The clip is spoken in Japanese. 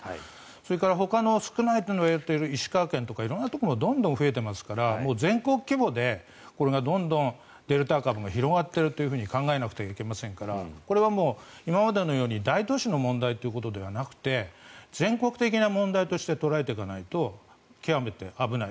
それからほかの少ないといわれている石川県とか色んなところもどんどん増えていますからもう全国規模でコロナのデルタ株が広がっていると考えなくてはいけませんからこれはもう今までのように大都市の問題ということではなくて全国的な問題として捉えていかないと極めて危ない。